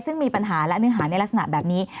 ซึ่งมีปัญหาและเนื้อหาในลักษณะแบบนี้